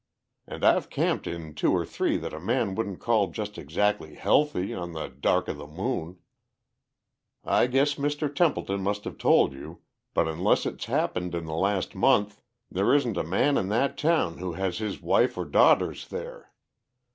And I've camped in two or three that a man wouldn't call just exactly healthy on the dark of the moon. I guess Mr. Templeton must have told you, but unless it's happened in the last month, there isn't a man in that town who has his wife or daughters there.